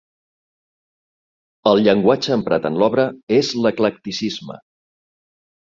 El llenguatge emprat en l'obra és l'eclecticisme.